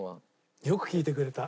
よく聞いてくれた。